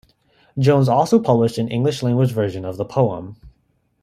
Jones also published an English-language version of the poem.